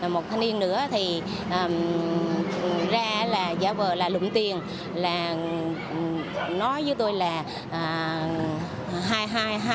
một thanh niên nữa thì ra là giả vờ là lụm tiền là nói với tôi là hai người